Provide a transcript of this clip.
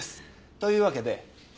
というわけでこれ。